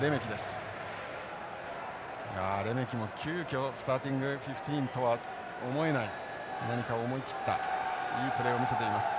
いやレメキも急きょスターティングフィフティーンとは思えない何か思い切ったいいプレーを見せています。